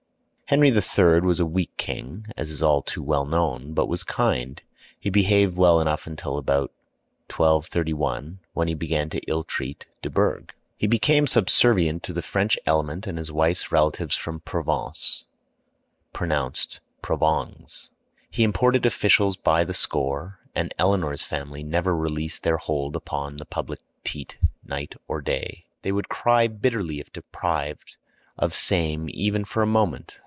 Henry III. was a weak king, as is too well known, but was kind. He behaved well enough till about 1231, when he began to ill treat de Burgh. He became subservient to the French element and his wife's relatives from Provence (pronounced Provongs). He imported officials by the score, and Eleanor's family never released their hold upon the public teat night or day. They would cry bitterly if deprived of same even for a moment.